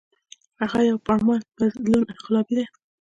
هغه د يو پُرامن بدلون انقلابي دے ۔